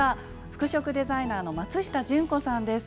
服飾デザイナーの松下純子さんです。